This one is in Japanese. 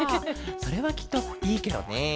それはきっといいケロね。